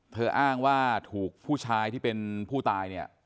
อ้างว่าถูกผู้ชายที่เป็นผู้ตายเนี่ย